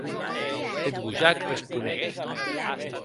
Eth gojat responec.